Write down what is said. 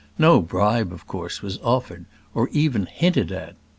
No bribe was, of course, offered or even hinted at.